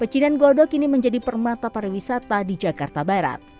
pecinan goldok ini menjadi permata pariwisata di jakarta barat